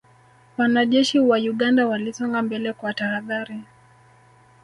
Wanajeshi wa Uganda walisonga mbele kwa tahadhari